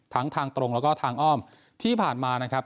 ทางตรงแล้วก็ทางอ้อมที่ผ่านมานะครับ